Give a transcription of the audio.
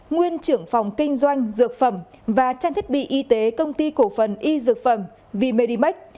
nguyên trưởng phòng kinh doanh dược phẩm và trang thiết bị y tế công ty cổ phần y dược phẩm v medimax